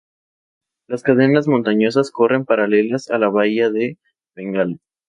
Las cadenas montañosas corren paralelas a la bahía de Bengala.